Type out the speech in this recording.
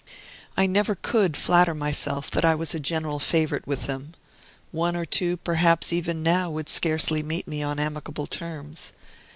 I never could flatter myself that I was a general favorite with them. One or two, perhaps, even now, would scarcely meet me on amicable terms.